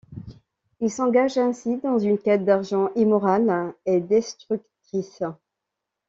Il s'engage ainsi dans une quête d'argent immorale et destructrice.